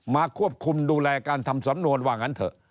มาควบคุมดูแลการทำสำนวนว่างั้นเถอะ